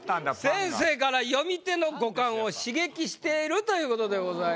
先生から「読み手の五感を刺激している」という事でございます。